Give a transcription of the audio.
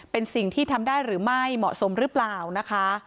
เป็นสิ่งที่ทำได้หรือไม่เหมาะสมหรือเปล่านะคะ